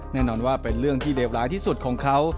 แน่นอนว่าเป็นเรื่องที่เลวร้ายที่สุดของเขา